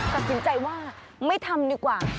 ตัดสินใจว่าไม่ทำดีกว่า